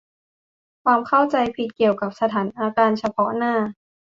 ความเข้าใจผิดเกี่ยวกับสถานการณ์เฉพาะหน้า